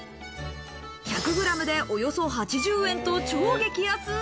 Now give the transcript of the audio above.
１００グラムでおよそ８０円と超激安。